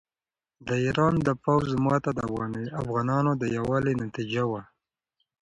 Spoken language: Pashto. د ایران د پوځ ماته د افغانانو د یووالي نتیجه وه.